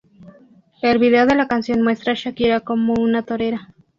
El video de la canción muestra a Shakira como una torera.